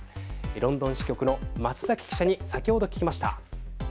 ロンドン支局の松崎記者に先ほど聞きました。